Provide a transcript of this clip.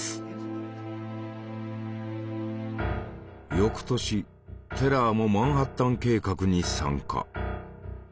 翌年テラーもマンハッタン計画に参加。